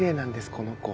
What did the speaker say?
この子。